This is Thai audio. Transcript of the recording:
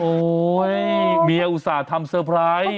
เมียอุตส่าห์ทำเซอร์ไพรส์